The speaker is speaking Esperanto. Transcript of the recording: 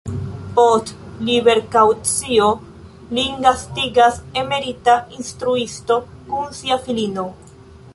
Post liberigkaŭcio, lin gastigas emerita instruisto kun sia filino.